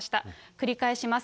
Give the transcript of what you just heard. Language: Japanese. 繰り返します。